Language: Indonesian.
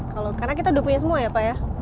karena kita udah punya semua ya pak ya